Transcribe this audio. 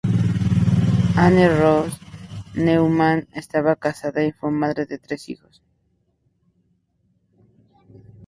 Anne-Rose Neumann estaba casada y fue madre de tres hijos.